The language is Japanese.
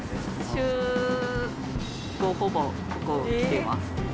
週５、ほぼ、ここ来てます。